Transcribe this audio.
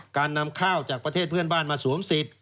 การนำข้าวจากประเทศเพื่อนบ้านมาสวมสิทธิ